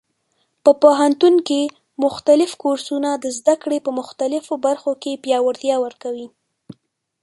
په پوهنتون کې مختلف کورسونه د زده کړې په مختلفو برخو کې پیاوړتیا ورکوي.